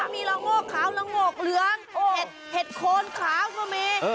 มีละโงกขาวละโงกเหลืองเห็ดเห็ดโคนขาวก็มี